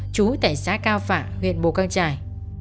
chú tại xã cao phạ huyện bồ căng trải